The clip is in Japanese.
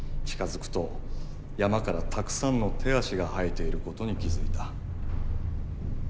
近づくと山からたくさんの手足が生えていることに気付いた。